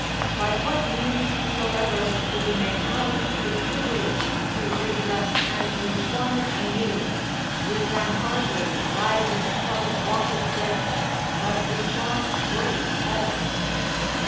By what means soever we may have the privilege to redress and reform it anew, we can hardly writhe it from its wonted bent, but we shall break all.